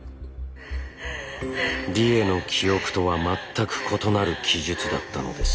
理栄の記憶とは全く異なる記述だったのです。